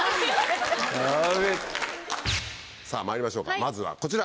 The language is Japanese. さぁまいりましょうかまずはこちら！